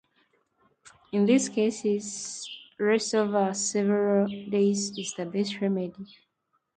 In these cases rest over several days is the best remedy.